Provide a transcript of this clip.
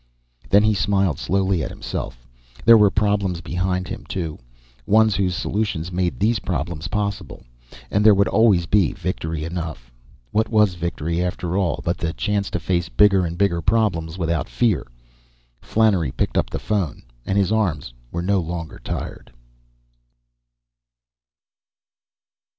Then he smiled slowly at himself. There were problems behind him, too ones whose solutions made these problems possible. And there would always be victory enough. What was victory, after all, but the chance to face bigger and bigger problems without fear? Flannery picked up the phone, and his arms were no longer tired.